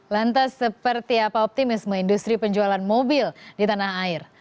lantas seperti apa optimisme industri penjualan mobil di tanah air